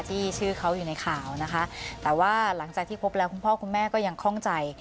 ที่ชื่อเขาอยู่ในข่าวนะคะแต่ว่าหลังจากที่พบแล้วคุณพ่อคุณแม่ก็ยังคล่องใจ